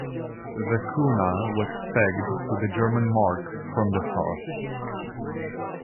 The kuna was pegged to the German mark from the start.